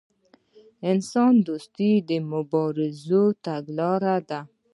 انسان دوستي د مبارزینو تګلاره ده.